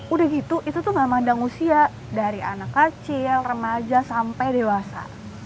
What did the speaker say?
udah gitu itu tuh gak mandang usia dari anak kecil remaja sampai dewasa